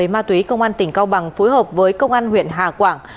ma túy công an tỉnh cao bằng phối hợp với công an huyện hà quảng